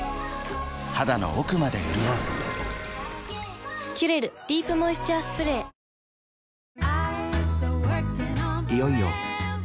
肌の奥まで潤う「キュレルディープモイスチャースプレー」実那子さん。